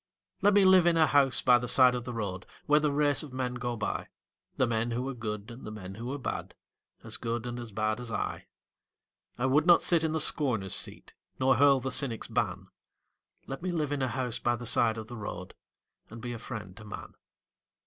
Let me live in a house by the side of the road Where the race of men go by The men who are good and the men who are bad, As good and as bad as I. I would not sit in the scorner's seat Nor hurl the cynic's ban Let me live in a house by the side of the road And be a friend to man.